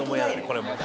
これも。